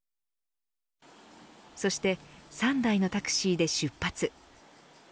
そして３台のタクシーで出発。